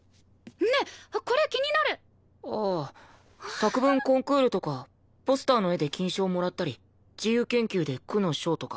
作文コンクールとかポスターの絵で金賞もらったり自由研究で区の賞とか。